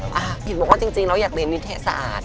ผิดบอกว่าจริงแล้วอยากเรียนนิเทศศาสตร์